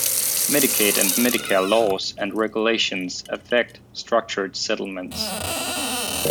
Medicaid and Medicare laws and regulations affect structured settlements.